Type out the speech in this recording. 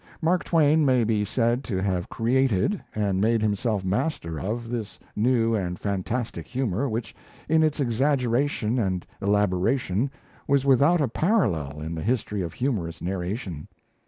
Mark Twain may be said to have created, and made himself master of, this new and fantastic humour which, in its exaggeration and elaboration, was without a parallel in the history of humorous narration.